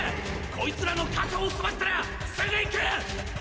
こいつらの確保を済ましたらすぐ行く！